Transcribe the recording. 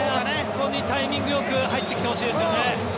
タイミングよく入ってきてほしいですね。